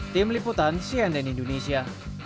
tim liputan cnn indonesia